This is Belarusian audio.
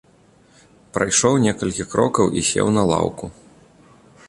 Прайшоў некалькі крокаў і сеў на лаўку.